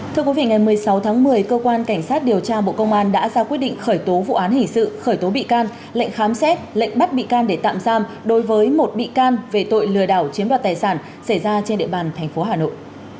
thưa quý vị ngày một mươi sáu tháng một mươi cơ quan cảnh sát điều tra bộ công an đã ra quyết định khởi tố vụ án hình sự khởi tố bị can lệnh khám xét lệnh bắt bị can để tạm giam đối với một bị can về tội lừa đảo chiếm đoạt tài sản xảy ra trên địa bàn tp hà nội